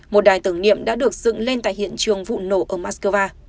một đài tưởng niệm đã được dựng lên tại hiện trường vụ nổ ở moscow